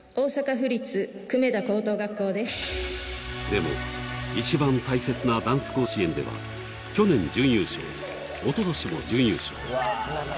でも、一番大切なダンス甲子園では去年、準優勝おととしも準優勝。